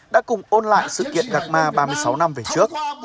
đã cùng ôn lại sự kiện gạt ma ba mươi sáu năm về trước